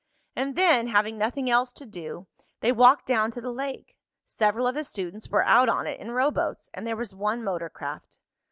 And then, having nothing else to do, they walked down to the lake. Several of the students were out on it in rowboats, and there was one motor craft.